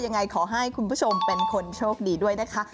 ยังไงขอให้คุณผู้ชมเป็นคนโชคดีด้วยนะคะ